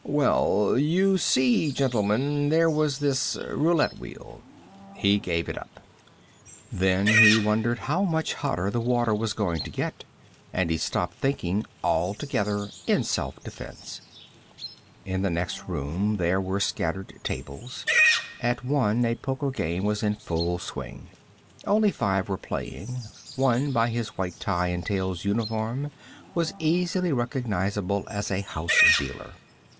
"Well, you see, gentlemen, there was this roulette wheel " He gave it up. Then he wondered how much hotter the water was going to get, and he stopped thinking altogether in self defense. In the next room, there were scattered tables. At one, a poker game was in full swing. Only five were playing; one, by his white tie and tails uniform, was easily recognizable as a house dealer.